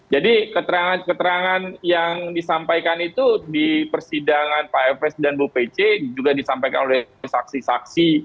jadi keterangan keterangan yang disampaikan itu di persidangan pak ferdisambo dan bu pc juga disampaikan oleh saksi saksi